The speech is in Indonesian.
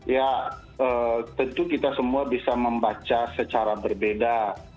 ya tentu kita semua bisa membaca secara berbeda